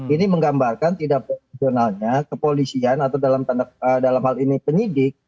ini menggambarkan tidak profesionalnya kepolisian atau dalam hal ini penyidik